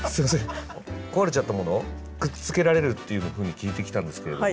壊れちゃったものをくっつけられるっていうふうに聞いてきたんですけれども。